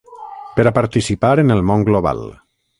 Per a participar en el món global.